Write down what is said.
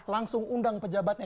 langsung undang pejabatnya